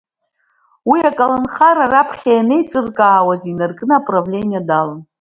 Уи, аколнхара раԥхьа ианеиҿыркаауаз инаркны, аправление далан.